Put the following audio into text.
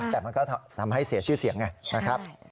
แต่มันก็ทำให้เสียชื่อเสียงไงนะครับ